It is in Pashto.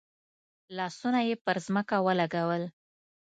لاسونه یې پر ځمکه ولګول.